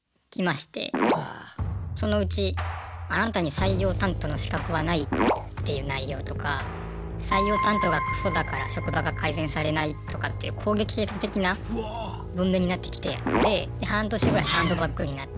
そのうち「あなたに採用担当の資格はない」っていう内容とか「採用担当がクソだから職場が改善されない」とかっていう攻撃的な文面になってきてで半年ぐらいサンドバッグになって。